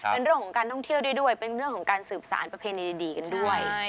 เป็นเรื่องของการท่องเที่ยวได้ด้วยเป็นเรื่องของการสืบสารประเพณีดีกันด้วย